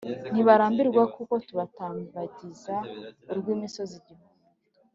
Ntibarambirwa kuko tubatambagiza urw'imisozi igihumbi